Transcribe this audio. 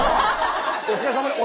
お疲れさまでした。